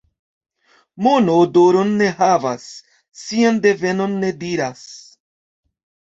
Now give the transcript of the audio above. Mono odoron ne havas, sian devenon ne diras.